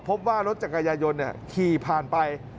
พบว่ารถจักรยายนขี่ผ่านไป